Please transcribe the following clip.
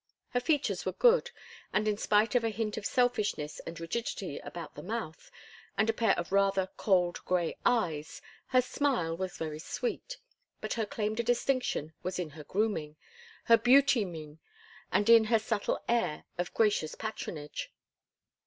Her features were good, and in spite of a hint of selfishness and rigidity about the mouth, and a pair of rather cold gray eyes, her smile was very sweet. But her claim to distinction was in her grooming, her beauty mien, and in her subtle air of gracious patronage.